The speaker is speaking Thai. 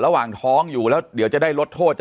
ระหว่างท้องอยู่แล้วเดี๋ยวจะได้ลดโทษ